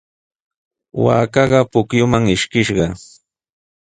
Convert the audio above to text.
Waakaqa pukyuman ishkishqa.